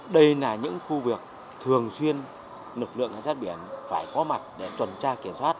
đây là những khu vực thường xuyên lực lượng cảnh sát biển phải có mặt để tuần tra kiểm soát